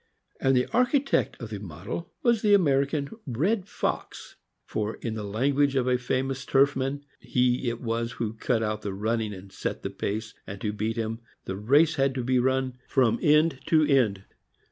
And the architect of the model was the American red fox; for, in the language of a famous turfman, he it was who cut out the running and set the pace, and to beat him, the race had to be run from " eend to eend."